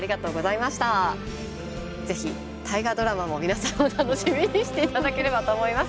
是非「大河ドラマ」も皆さん楽しみにしていただければと思います。